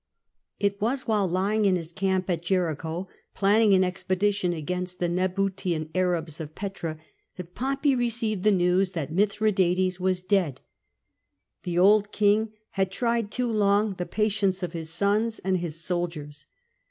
It was while lying in his camp at Jericho, planning an expedition against the Nabataean Arabs of Petra, that Pompey received the news that Mithradates was dead. The old king had tried too long the patience of his sons and his soldiers.